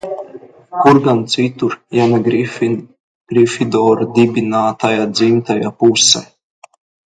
Kur gan citur, ja ne Grifidora dibinātāja dzimtajā pusē?